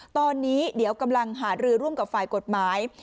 ตอนนี้เดี๋ยวกำลังหารือร่วมกับฝ่ายกฎหมาย